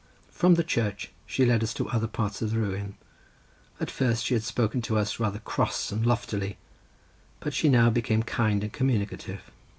From the church she led us to other parts of the ruin—at first she had spoken to us rather cross and loftily, but she now became kind and communicative.